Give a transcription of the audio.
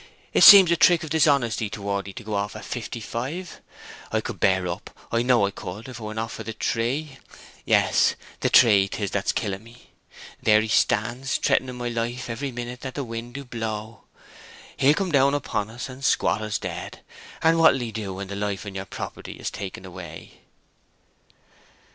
It seems a trick of dishonesty towards ye to go off at fifty five! I could bear up, I know I could, if it were not for the tree—yes, the tree, 'tis that's killing me. There he stands, threatening my life every minute that the wind do blow. He'll come down upon us and squat us dead; and what will ye do when the life on your property is taken away?"